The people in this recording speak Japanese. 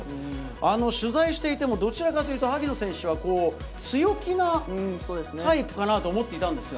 あの取材していても、どちらかというと、萩野選手は強気なタイプかなと思っていたんですが。